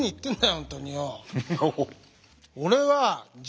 本当によ。